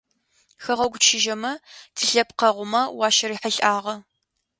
Хэгъэгу чыжьэмэ тилъэпкъэгъумэ уащырихьылӏагъа?